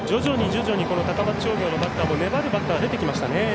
徐々に高松商業のバッターも粘るバッターが出てきましたね。